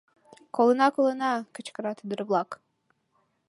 — Колына, колына! — кычкырат ӱдыр-влак.